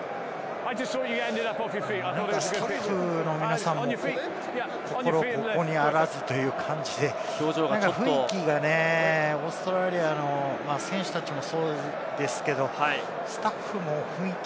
スタッフの皆さんも、心ここにあらずという感じで雰囲気がオーストラリアの選手たちもそうですけれども、スタッフも雰囲気。